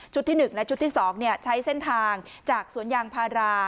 ที่๑และชุดที่๒ใช้เส้นทางจากสวนยางพารา